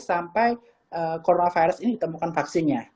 sampai coronavirus ini ditemukan vaksinnya